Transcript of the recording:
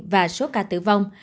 và số ca tử vong